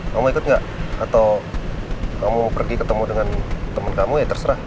kamu ikut gak atau kamu pergi ketemu dengan teman kamu ya terserah